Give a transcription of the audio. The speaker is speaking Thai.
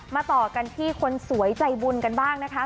ต่อกันที่คนสวยใจบุญกันบ้างนะคะ